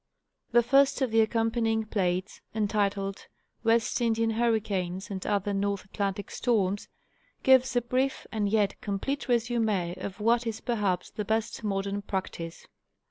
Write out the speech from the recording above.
The first of the accompanying plates, entitled, West Inpran Hurricanes, AND OTHER NortH ATLANTIC STorRMs, gives a brief and yet complete résumé of what is perhaps the best modern practice.